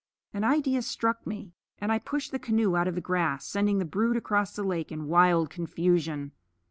An idea struck me, and I pushed the canoe out of the grass, sending the brood across the lake in wild confusion.